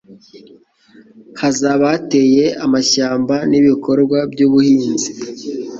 hazaba hateye amashyamba n'ibikorwa by'ubuhinzi.